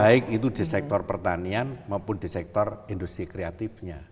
baik itu di sektor pertanian maupun di sektor industri kreatifnya